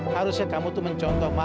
harusnya kamu tuh mencontoh marwa safa